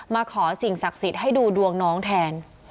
มาขอสิ่งศักดิ์สิทธิ์ให้ดูดวงน้องแทน